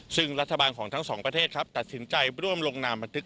ซึ่งรัฐบาลของทั้งสองประเทศครับตัดสินใจร่วมลงนามบันทึก